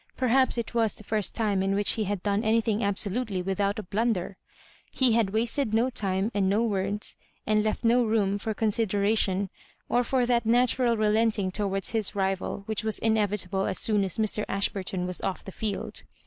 Perhaps it was the first time in which he had done anything absolutely without a blunder. He had wasted no time, and no words, and left no room for con sideration, or for that natural relenting towards his rival which was inevitable as soon as Mr. Ash burton was off the field.